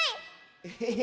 エヘヘ。